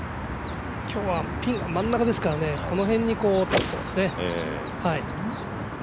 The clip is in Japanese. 今日はピン真ん中ですからこの辺に取っていますね。